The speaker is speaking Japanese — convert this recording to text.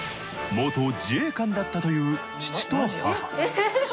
元自衛官だったという父と母。